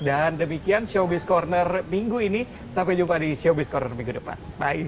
dan demikian showbiz corner minggu ini sampai jumpa di showbiz corner minggu depan bye